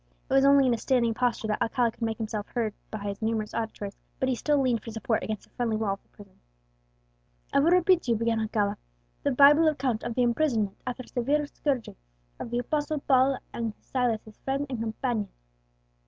It was only in a standing posture that Aguilera could make himself heard by his numerous auditors, but he still leaned for support against the friendly wall of the prison. "I will repeat to you," began Alcala, "the Bible account of the imprisonment, after severe scourging, of the Apostle Paul and Silas his friend and companion.